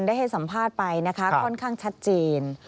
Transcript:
ได้ให้สัมภาษณ์ไปนะคะค่อนข้างชัดเจน